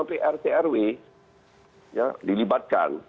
sampai rtrw ya dilibatkan